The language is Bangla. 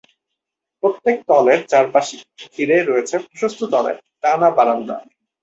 প্রত্যেক তলের চারপাশে ঘিরে রয়েছে প্রশস্ত তলের টানা বারান্দা।